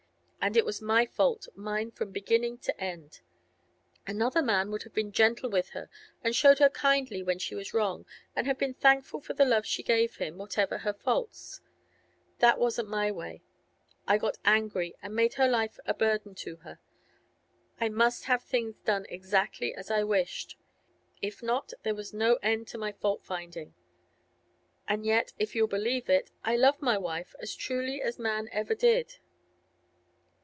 And it was my fault, mine from beginning to end. Another man would have been gentle with her and showed her kindly when she was wrong, and have been thankful for the love she gave him, whatever her faults. That wasn't my way. I got angry, and made her life a burden to her. I must have things done exactly as I wished; if not, there was no end to my fault finding. And yet, if you'll believe it, I loved my wife as truly as man ever did.